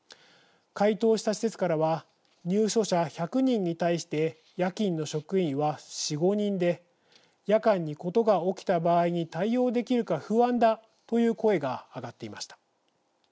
回答した施設からは「入所者１００人に対して夜勤の職員は４、５人で夜間に事が起きた場合に対応できるか不安だ」という声が上がっていました。